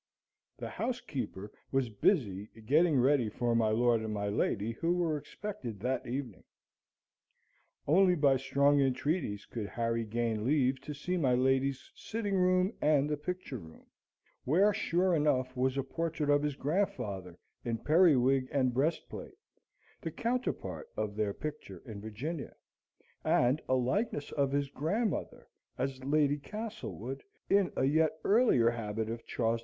The housekeeper was busy getting ready for my lord and my lady, who were expected that evening. Only by strong entreaties could Harry gain leave to see my lady's sitting room and the picture room, where, sure enough, was a portrait of his grandfather in periwig and breastplate, the counterpart of their picture in Virginia, and a likeness of his grandmother, as Lady Castlewood, in a yet earlier habit of Charles II.'